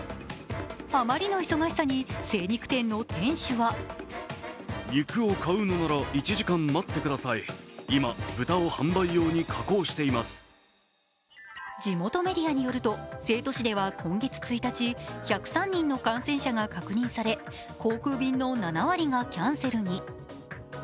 あまりの忙しさに精肉店の店主は地元メディアによると成都市では今月１日、１０３人の感染者が確認され、航空便の７割がキャンセルに。